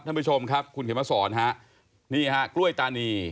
ท่านผู้ชมครับคุณเขียนมาสอนฮะนี่ฮะกล้วยตานี